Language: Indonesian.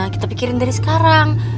kita pikirin dari sekarang